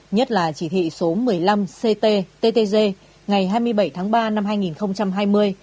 nhất là chỉ thị số một mươi năm cttg ngày hai mươi bảy tháng ba năm hai nghìn hai mươi